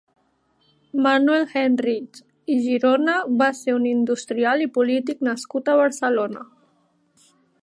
Manuel Henrich i Girona va ser un industrial i polític nascut a Barcelona.